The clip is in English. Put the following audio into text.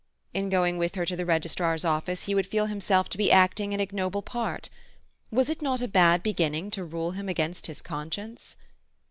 In going with her to the registrar's office he would feel himself to be acting an ignoble part. Was it not a bad beginning to rule him against his conscience?